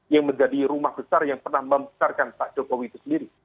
yang menjadi rumah besar yang pernah membesarkan pak jokowi itu sendiri